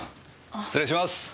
失礼します！